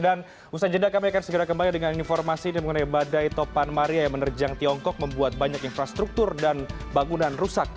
dan usaha jendak kami akan segera kembali dengan informasi ini mengenai badai topan maria yang menerjang tiongkok membuat banyak infrastruktur dan bangunan rusak